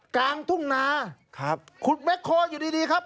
กลางทุ่งนาคุดแม็กโคลงอยู่ดีครับ